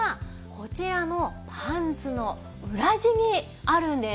こちらのパンツの裏地にあるんです。